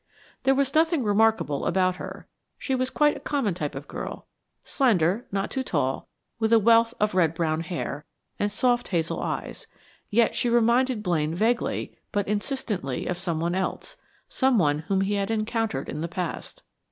There was nothing remarkable about her; she was quite a common type of girl: slender, not too tall, with a wealth of red brown hair, and soft hazel eyes; yet she reminded Blaine vaguely but insistently of some one else some one whom he had encountered in the past.